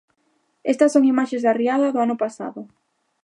Estas son imaxes da riada do ano pasado.